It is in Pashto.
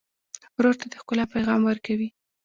ورور ته د ښکلا پیغام ورکوې.